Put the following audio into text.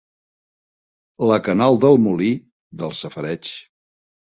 La canal del molí, del safareig.